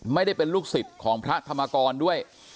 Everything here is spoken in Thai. ไม่ได้เป็นลูกศิษย์ของพระธรรมกรด้วย